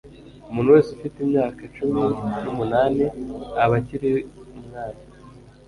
umuntu wese ufite imyaka cumi n,umunani aba akiri umwana.”